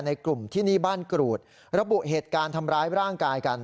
กลุ่มที่นี่บ้านกรูดระบุเหตุการณ์ทำร้ายร่างกายกัน